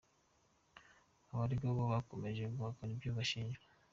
Abaregwa bo bakomeje guhakana ibyo bashinjwa.